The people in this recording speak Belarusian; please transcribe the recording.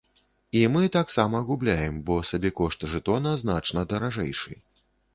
І мы таксама губляем, бо сабекошт жэтона значна даражэйшы.